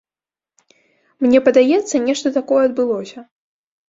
Мне падаецца, нешта такое адбылося.